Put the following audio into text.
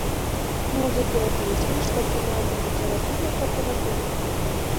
Музыкі разлічвалі, што атрымаецца падзарабіць на карпаратывах.